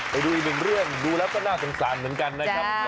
ไปดูอีกหนึ่งเรื่องดูแล้วก็น่าสงสารเหมือนกันนะครับ